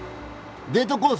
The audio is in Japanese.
デートコース